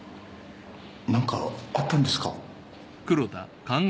何かあったんですか？